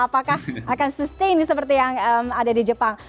apakah akan sustain seperti yang ada di jepang